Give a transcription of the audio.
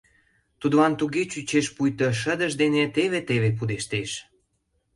Тудлан туге чучеш, пуйто шыдыж дене теве-теве пудештеш.